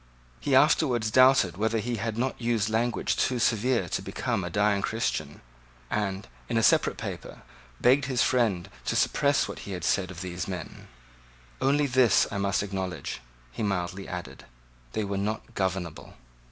He afterwards doubted whether he had not used language too severe to become a dying Christian, and, in a separate paper, begged his friend to suppress what he had said of these men "Only this I must acknowledge," he mildly added; "they were not governable."